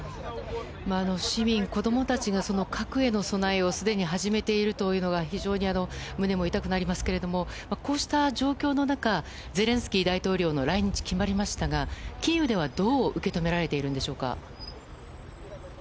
市民、子供たちが核への備えをすでに始めているというのが非常に胸も痛くなりますがこうした状況の中ゼレンスキー大統領の来日が決まりましたが、キーウではどう受け止められているんでしょうか。